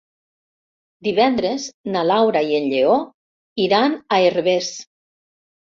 Divendres na Laura i en Lleó iran a Herbers.